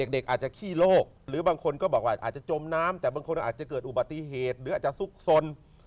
เด็กอาจจะขี้โลกหรือบางคนก็บอกว่าอาจจะจมน้ำแต่บางคนอาจจะเกิดอุบัติเหตุหรืออาจจะซุกสน